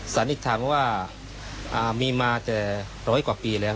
สันนิษฐานว่ามีมาแต่ร้อยกว่าปีแล้ว